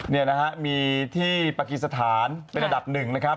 นี่นะฮะมีที่ปกติสถานเป็นอันดับ๑นะครับ